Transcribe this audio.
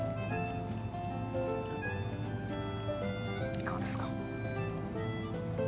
いかがですか？